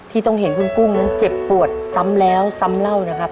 ต้องเห็นคุณกุ้งนั้นเจ็บปวดซ้ำแล้วซ้ำเล่านะครับ